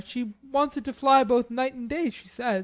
She wants it to fly both night and day, she says.